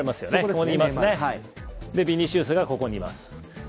ビニシウスがここにいます。